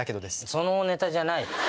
その「ネタ」じゃない！